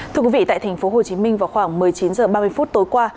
thưa quý vị tại thành phố hồ chí minh vào khoảng một mươi chín h ba mươi tối qua